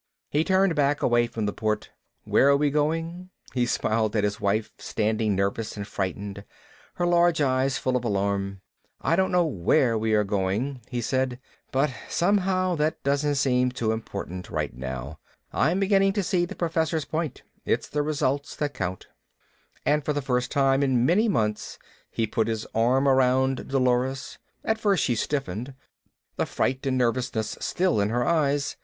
He turned back, away from the port. "Where are we going?" He smiled at his wife, standing nervous and frightened, her large eyes full of alarm. "I don't know where we are going," he said. "But somehow that doesn't seem too important right now.... I'm beginning to see the Professor's point, it's the result that counts." And for the first time in many months he put his arm around Dolores. At first she stiffened, the fright and nervousness still in her eyes.